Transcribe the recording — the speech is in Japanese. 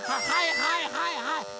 はいはいはいはい。